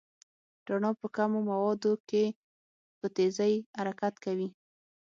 رڼا په کمو موادو کې په تېزۍ حرکت کوي.